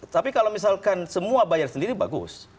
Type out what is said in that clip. tapi kalau misalkan semua bayar sendiri bagus